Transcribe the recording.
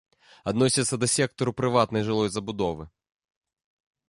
Адносіцца да сектару прыватнай жылой забудовы.